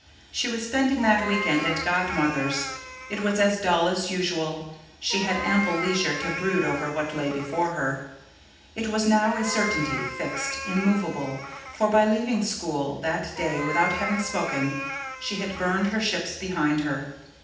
She was spending that week end at Godmother's. It was as dull as usual; she had ample leisure to brood over what lay before her. It was now a certainty, fixed, immovable; for, by leaving school that day without having spoken, she had burned her ships behind her.